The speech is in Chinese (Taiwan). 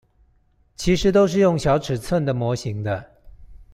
其實都是用小尺寸的模型的